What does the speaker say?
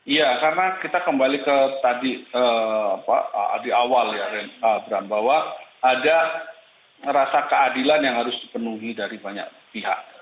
iya karena kita kembali ke tadi di awal ya bram bahwa ada rasa keadilan yang harus dipenuhi dari banyak pihak